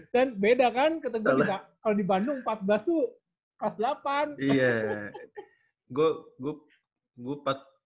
dan beda kan ketika kita kalo di bandung empat belas tuh kelas delapan